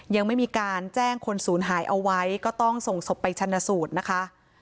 ยังไม่มีการแจ้งคนศูนย์หายเอาไว้ก็ต้องส่งศพไปชนะสูตรนะคะ